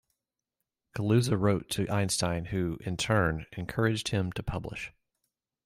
Kaluza wrote to Einstein who, in turn, encouraged him to publish.